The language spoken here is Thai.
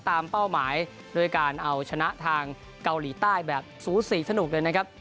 เป้าหมายด้วยการเอาชนะทางเกาหลีใต้แบบสูสีสนุกเลยนะครับ